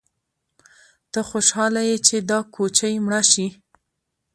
_ته خوشاله يې چې دا کوچۍ مړه شي؟